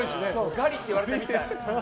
ガリって言われたみたい。